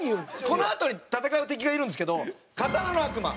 このあとに戦う敵がいるんですけど刀の悪魔。